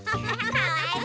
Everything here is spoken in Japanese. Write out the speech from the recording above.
かわいい！